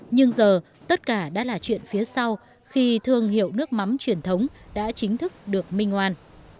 nhưng giờ tất cả đã là chuyện phía sau khi thương hiệu nước mắm truyền thống đã chính thức được minh oan